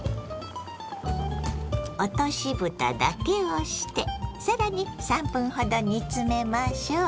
落としぶただけをして更に３分ほど煮詰めましょう。